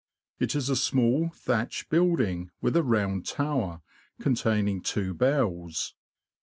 It is a small, thatched building, with a round tower, containing two bells.